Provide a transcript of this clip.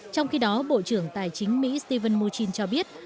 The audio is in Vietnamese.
trong khi đó bộ trưởng tài chính mỹ stephen murchin cho biết